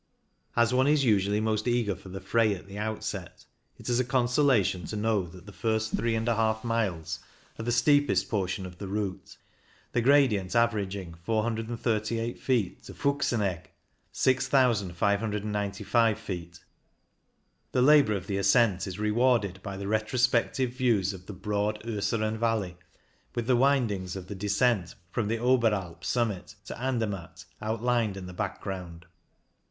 As one is usually most eager for the fray at the outset, it is a consolation to know that the first 3J miles are the steepest portion of the route, the gradient averaging 438 feet to Fuchsenegg (6,595 ft). The labour of the ascent is rewarded by the retrospective views of the broad Urseren valley, with the windings of the descent from the Oberalp summit to An dermatt outlined in the background.